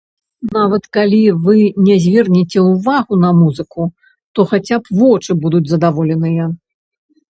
Нават калі вы не звернеце ўвагу на музыку, то хаця б вочы будуць задаволеныя.